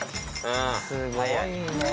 すごいね。